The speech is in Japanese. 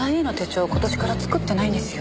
今年から作ってないんですよ。